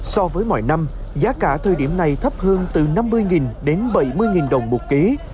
so với mọi năm giá cả thời điểm này thấp hơn từ năm mươi đến bảy mươi đồng một ký